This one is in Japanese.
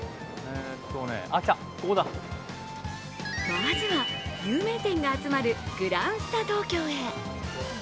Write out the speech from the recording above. まずは、有名店が集まるグランスタ東京へ。